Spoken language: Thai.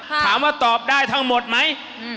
ถามว่าตอบได้ทั้งหมดไหม